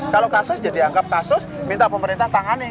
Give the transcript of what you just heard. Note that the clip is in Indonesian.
kalau kasus jadi anggap kasus minta pemerintah tangani